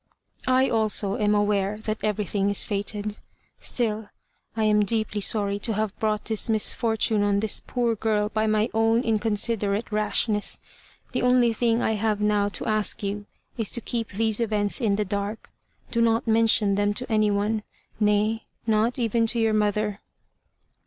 "I, also, am aware that everything is fated. Still, I am deeply sorry to have brought this misfortune on this poor girl by my own inconsiderate rashness. The only thing I have now to ask you, is to keep these events in the dark. Do not mention them to any one nay, not even to your mother."